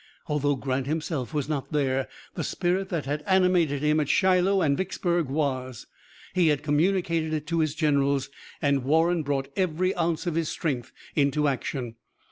Although Grant himself was not there, the spirit that had animated him at Shiloh and Vicksburg was. He had communicated it to his generals, and Warren brought every ounce of his strength into action.